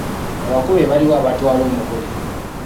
Abako be baliwa abatwala omugole?